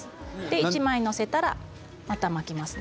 １枚載せたらまた巻きますね。